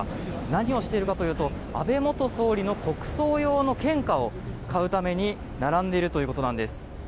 何をしているかというと安倍元総理の国葬用の献花を買うために並んでいるということなんです。